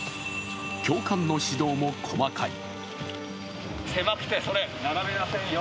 教官の指導も細かい。